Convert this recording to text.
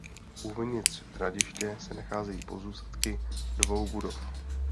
Uvnitř hradiště se nacházejí pozůstatky dvou budov.